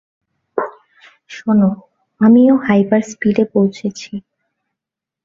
শোনো, আমিও হাইপার-স্পীডে পৌঁছেছি।